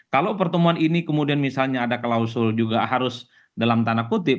kalau pertemuan ini kemudian misalnya ada klausul juga harus dalam tanda kutip